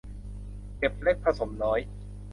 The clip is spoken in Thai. เก็บเล็กผสมน้อย